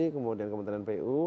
kemudian kemudian pu